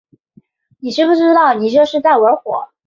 你知不知道你这是在玩火